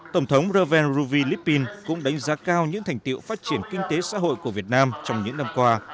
tổng thống reuven ruvi ripin cũng đánh giá cao những thành tiệu phát triển kinh tế xã hội của việt nam trong những năm qua